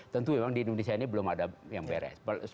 tentu memang di indonesia ini belum ada yang beres